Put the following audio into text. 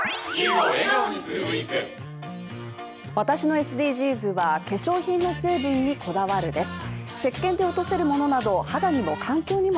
私のＳＤＧｓは化粧品の成分にこだわるです。